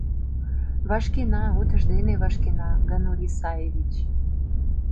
— Вашкена, утыждене вашкена, Ганур Исаевич.